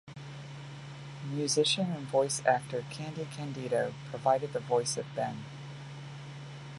Musician and voice actor Candy Candido provided the voice of Ben.